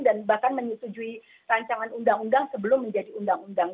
dan bahkan menyetujui rancangan undang undang sebelum menjadi undang undang